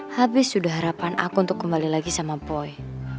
habis sudah harapan aku untuk kembali lagi sama boy